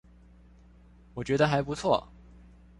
我覺得還不錯